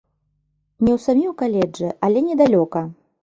Не ў самім каледжы, але недалёка.